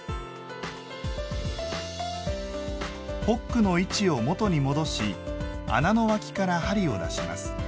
ホックの位置を元に戻し穴の脇から針を出します。